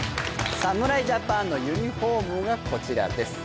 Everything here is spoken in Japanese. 侍ジャパンのユニフォームがこちらです。